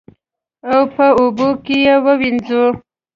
او په اوبو کې یې ووینځو.